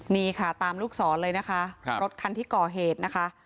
นี่ค่ะตามลูกศรเลยนะคะรถคันที่ก่อเหตุนะคะ